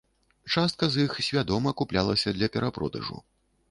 Частка з іх свядома куплялася для перапродажу.